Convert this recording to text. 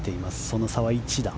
その差は１打。